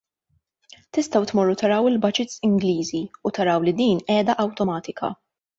Tistgħu tmorru taraw il-budgets Ingliżi u taraw li din qiegħda awtomatika.